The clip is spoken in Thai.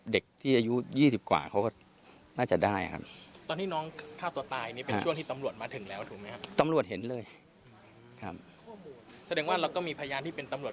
ก็คือลูกชายคุณแม่เท่านั้นหรือคนอื่นเดียวข้อง